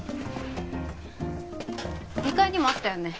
二階にもあったよね？